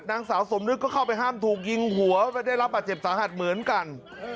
นางสาวสมนึกก็เข้าไปห้ามถูกยิงหัวได้รับบาดเจ็บสาหัสเหมือนกัน